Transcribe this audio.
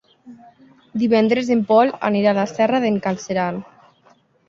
Divendres en Pol anirà a la Serra d'en Galceran.